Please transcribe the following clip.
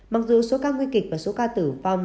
mặc dù số ca nguy kịch và số ca tử vong